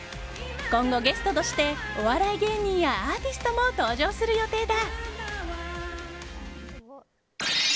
今後、ゲストとしてお笑い芸人やアーティストも登場する予定だ。